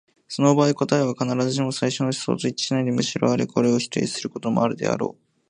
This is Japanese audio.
その場合、答えは必ずしも最初の思想と一致しないで、むしろこれを否定することもあろう。